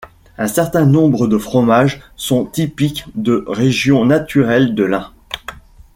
Un certain nombre de fromages sont typiques de régions naturelles de l'Ain.